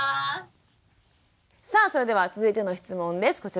さあそれでは続いての質問です。